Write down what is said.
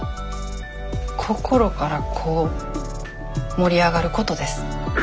心からこう盛り上がることです。